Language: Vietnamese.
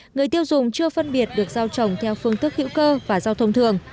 người tiêu dùng chưa phân biệt được rau trồng theo phương tức hữu cơ và rau thông thường